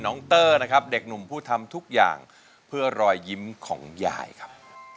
เตอร์นะครับเด็กหนุ่มผู้ทำทุกอย่างเพื่อรอยยิ้มของยายครับ